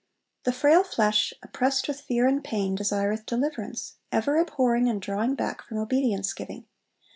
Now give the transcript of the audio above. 'The frail flesh, oppressed with fear and pain, desireth deliverance, ever abhorring and drawing back from obedience giving.